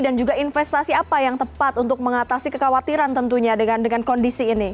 dan juga investasi apa yang tepat untuk mengatasi kekhawatiran tentunya dengan kondisi ini